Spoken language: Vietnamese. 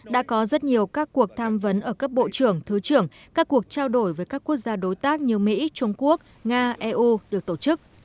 đã có rất nhiều các cuộc tham vấn ở cấp bộ trưởng thứ trưởng các cuộc trao đổi với các quốc gia đối tác như mỹ trung quốc nga eu được tổ chức